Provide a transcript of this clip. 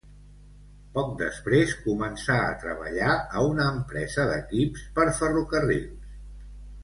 Poc després començà a treballar a una empresa d'equips per ferrocarrils.